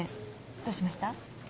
どうしました？